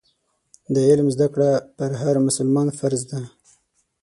د علم زده کړه پر هر مسلمان فرض ده.